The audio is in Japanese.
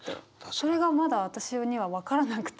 それがまだ私には分からなくて。